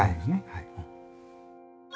はい。